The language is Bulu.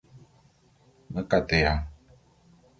Me kateya.